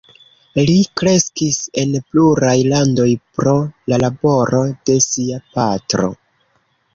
Li kreskis en pluraj landoj, pro la laboro de sia patro.